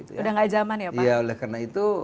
udah nggak zaman ya pak